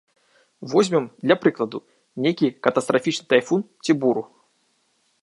Возьмем, для прыкладу, нейкі катастрафічны тайфун ці буру.